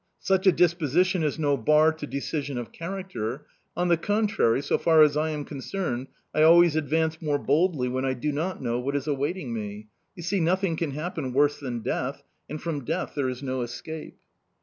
Such a disposition is no bar to decision of character; on the contrary, so far as I am concerned, I always advance more boldly when I do not know what is awaiting me. You see, nothing can happen worse than death and from death there is no escape.